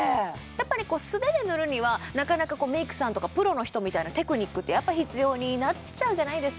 やっぱり素手で塗るにはなかなかメイクさんとかプロの人みたいなテクニックって必要になっちゃうじゃないですか